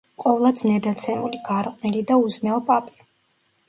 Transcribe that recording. ყოვლად ზნედაცემული, გარყვნილი და უზნეო პაპი.